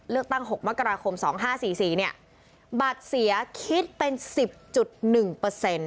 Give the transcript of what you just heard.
เลือกตั้งหกมกราคมสองห้าสี่สี่เนี้ยบัตรเสียคิดเป็นสิบจุดหนึ่งเปอร์เซ็นต์